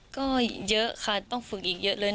ก็เยอะค่ะต้องฝึกอีกเยอะเลย